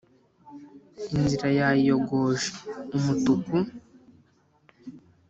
Inzira yayiyogoje umutuku